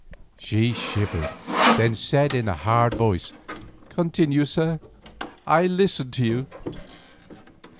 She shivered, then said in a hard voice, "Continue, sir; I listen to you."